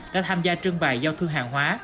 đã tham gia trương bày giao thương hàng hóa